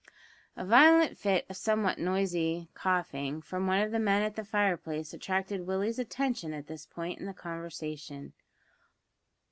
A violent fit of somewhat noisy coughing from one of the men at the fireplace attracted Willie's attention at this point in the conversation.